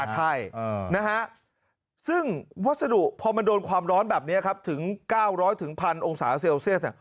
ใช่นะฮะซึ่งวัสดุพอมันโดนความร้อนแบบนี้ครับถึง๙๐๐๑๐๐องศาเซลเซียส